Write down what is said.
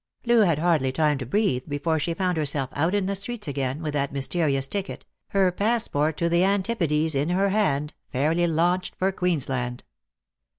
Loo had hardly time to breathe before she found herself out in the streets again with that mysterious ticket, her passport to the Antipodes, in her hand, fairly launched for Queensland.